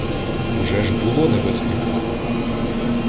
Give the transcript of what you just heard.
Уже ж було не без гріха!